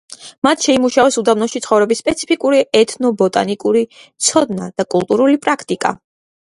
მათ შეიმუშავეს უდაბნოში ცხოვრების სპეციფიკური ეთნობოტანიკური ცოდნა და კულტურული პრაქტიკა.